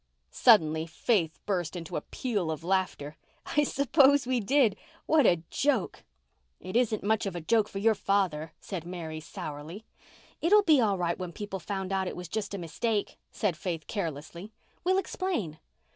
Suddenly Faith burst into a peal of laughter. "I suppose we did. What a joke!" "It isn't much of a joke for your father," said Mary sourly. "It'll be all right when people find out it was just a mistake," said Faith carelessly. "We'll explain."